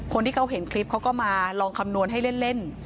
คนที่เขาเห็นคลิปเขาก็มาลองคำนวณให้เล่น